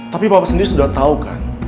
tapi papa sendiri sudah tau kan